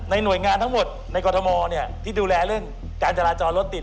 หน่วยงานทั้งหมดในกรทมที่ดูแลเรื่องการจราจรรถติด